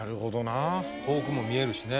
遠くも見えるしね。